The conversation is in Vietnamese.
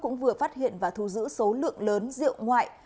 cũng vừa phát hiện và thu giữ số lượng lớn rượu ngoại